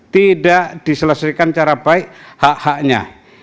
tidak diselesaikan secara baik hak haknya